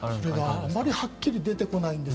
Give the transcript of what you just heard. あまりはっきり出てこないんです。